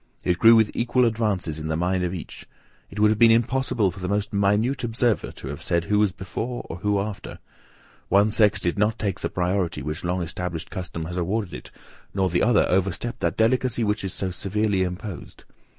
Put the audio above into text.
It grew with equal advances in the mind of each. It would have been impossible for the most minute observer to have said who was before, or who after. One sex did not take the priority which long established custom has awarded it, nor the other overstep that delicacy which is so severely imposed.